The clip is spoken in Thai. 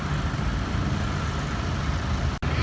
พร้อมต่ำยาว